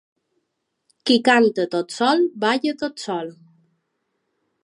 Qui canta tot sol balla tot sol.